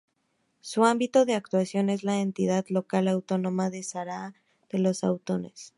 Su ámbito de actuación es la entidad local autónoma de Zahara de los Atunes.